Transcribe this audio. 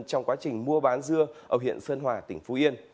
trong quá trình mua bán dưa ở huyện sơn hòa tỉnh phú yên